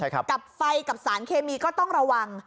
กับไฟกับสารเคมีก็ต้องระวัง